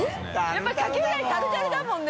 やっぱりカキフライタルタルだもんね。